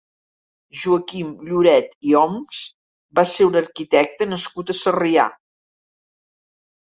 Joaquim Lloret i Homs va ser un arquitecte nascut a Sarrià.